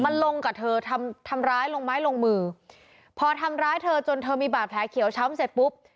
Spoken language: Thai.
มันลงกับเธอทำทำร้ายลงไม้ลงมือพอทำร้ายเธอจนเธอมีบาดแผลเขียวช้ำเสร็จปุ๊บ